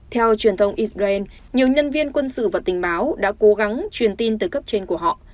theo truyền thông israel nhiều nhân viên quân sự và tình báo đã cố gắng truyền tin từ cấp trên của họ